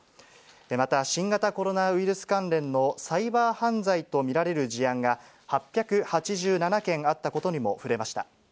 また、新型コロナウイルス関連のサイバー犯罪と見られる事案が８８７件あったことにも触れました。